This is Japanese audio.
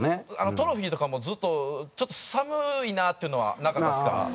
トロフィーとかもずっとちょっと寒いなっていうのはなかったですか？